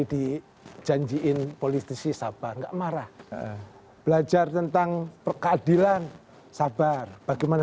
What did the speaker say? tapi itu bagaimana